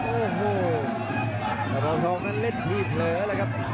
โอ้โหจังหวังท้องนั้นเล่นที่เผลอแล้วครับ